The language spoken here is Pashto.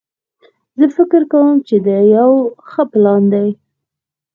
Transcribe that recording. زه فکر کوم چې دا یو ښه پلان ده